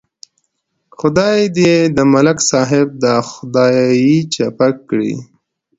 خدای دې د ملک صاحب دا خدایي چپه کړي.